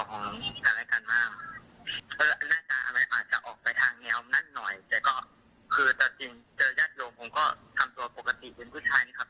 คือตลอดทินเจอญาติโรงผมก็ทำตัวปกติร์ยืนผู้ชายนะครับ